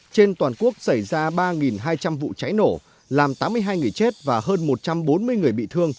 trên toàn quốc xảy ra ba hai trăm linh vụ cháy nổ làm tám mươi hai người chết và hơn một trăm bốn mươi người bị thương